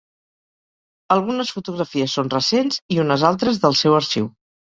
Algunes fotografies són recents i unes altres del seu arxiu.